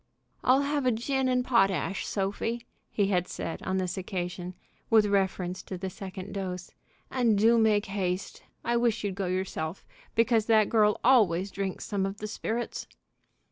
"I'll have a gin and potash, Sophie," he had said on this occasion, with reference to the second dose, "and do make haste. I wish you'd go yourself, because that girl always drinks some of the sperrits."